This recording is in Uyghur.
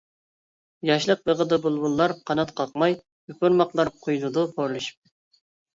ياشلىق بېغىدا بۇلبۇللار قانات قاقماي، يوپۇرماقلار قۇيۇلىدۇ پورلىشىپ.